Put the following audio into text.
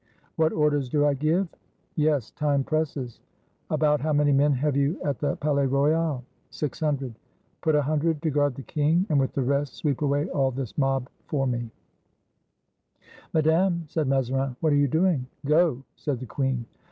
"What orders do I give?" "Yes; time presses." "About how many men have you at the Palais Royal?" "Six hundred." "Put a hundred to guard the king, and with the rest sweep away all this mob for me." 267 FRANCE "Madame," said Mazarin, "what are you doing?" "Go!" said the queen.